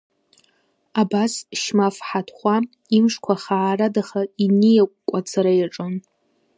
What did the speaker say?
Абас, Шьмаф Ҳаҭхәа имшқәа хаарадаха иниакәкәа ацара иаҿын.